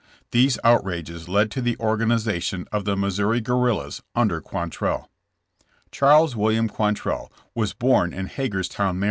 These outrages led to the organization of the Missouri guerrillas under Quan trell. Charles William Quantrell was born in Hagers town, Md.